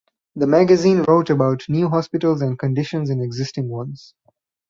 The magazine wrote about new hospitals and conditions in existing ones.